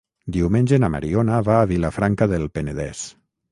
Diumenge na Mariona va a Vilafranca del Penedès.